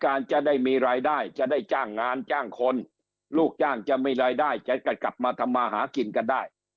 การจะได้มีรายได้จะได้จ้างงานจ้างคนลูกจ้างจะมีรายได้จะกลับมาทำมาหากินกันได้